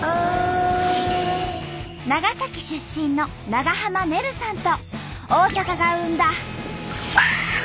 長崎出身の長濱ねるさんと大阪が生んだ。